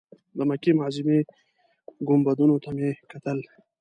د مکې معظمې ګنبدونو ته مې کتل.